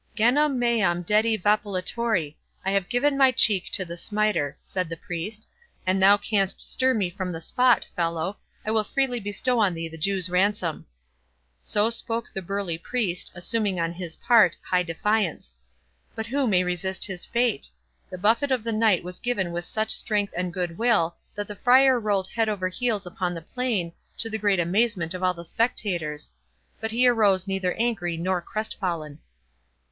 "'Genam meam dedi vapulatori'—I have given my cheek to the smiter," said the Priest; "an thou canst stir me from the spot, fellow, I will freely bestow on thee the Jew's ransom." So spoke the burly Priest, assuming, on his part, high defiance. But who may resist his fate? The buffet of the Knight was given with such strength and good will, that the Friar rolled head over heels upon the plain, to the great amazement of all the spectators. But he arose neither angry nor crestfallen.